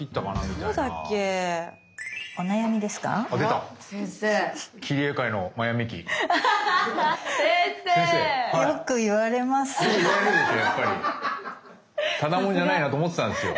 ただ者じゃないなと思ってたんですよ。